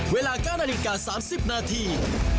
เวลาก้านอนิกา๓๐นาที